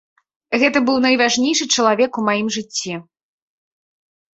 Гэта быў найважнейшы чалавек у маім жыцці.